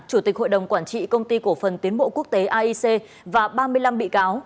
chủ tịch hội đồng quản trị công ty cổ phần tiến bộ quốc tế aic và ba mươi năm bị cáo